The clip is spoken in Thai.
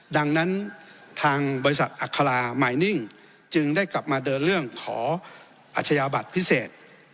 ดังนั้นทางบริษัทอัครามายนิ่งจึงได้กลับมาเดินเรื่องขออัชยาบัตรพิเศษ